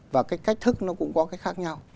và cái cách thức nó cũng có cái khác nhau